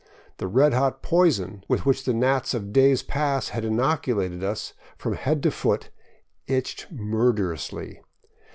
The red hot poison with which the gnats of days past had inoculated us from head to foot itched murderously.